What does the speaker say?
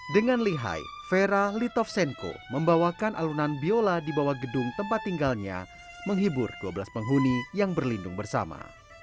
dengan lihai vera litovsenko membawakan alunan biola di bawah gedung tempat tinggalnya menghibur dua belas penghuni yang berlindung bersama